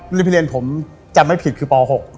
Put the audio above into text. ลิพิเลนผมจำไม่ผิดคือป๖